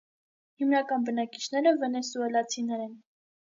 Հիմնական բնակիչները վենեսուելացիներն են։